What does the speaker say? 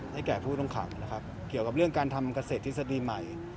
ให้แก่ผู้ต้องขังเกี่ยวกับเรื่องการทำเกษตรศิษฐีใหม่